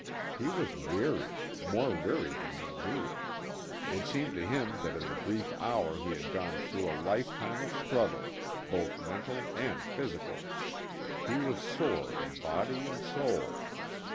He was weary more weary than he knew. It seemed to him that in that brief hour he had gone through a lifetime of struggle, both mental and physical. He was sore in body and soul.